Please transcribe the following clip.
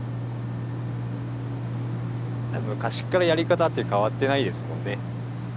昔っからやり方って変わってないですもんね。